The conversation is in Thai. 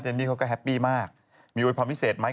นี่เขาก็แฮปปี้มากมีโวยพรพิเศษไหม